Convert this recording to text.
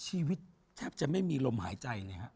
ชีวิตแทบจะไม่มีลมหายใจเลยฮะ